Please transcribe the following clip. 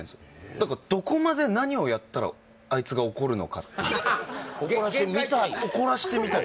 だからどこまで何をやったらあいつが怒るのかっていう怒らせてみたい？